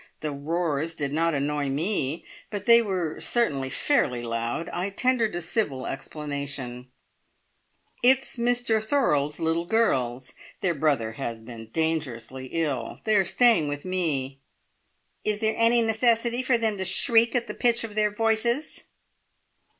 The roars did not annoy me, but they were certainly fairly loud. I tendered a civil explanation. "It's Mr Thorold's little girls. Their brother has been dangerously ill. They are staying with me." "Is there any necessity for them to shriek at the pitch of their voices?"